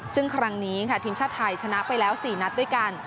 ซึ่งครั้งนี้ค่ะทีมชาติไทยชนะไปแล้ว๔นัดด้วยกัน